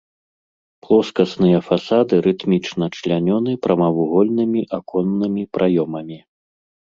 Плоскасныя фасады рытмічна члянёны прамавугольнымі аконнымі праёмамі.